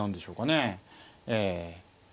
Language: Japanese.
ええ。